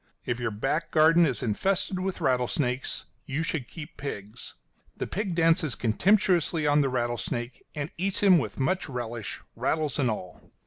If your back garden is infested with rattlesnakes you should keep pigs. The pig dances contemptuously on the rattlesnake, and eats him with much relish, rattles and all.